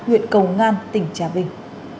huyện cầu ngan tỉnh trà vinh